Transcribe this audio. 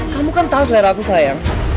kamu kan tau clara aku sayang